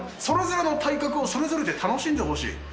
それぞれの体格を、それぞれで楽しんでほしい。